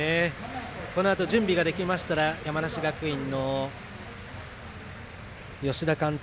このあと準備ができましたら山梨学院の吉田監督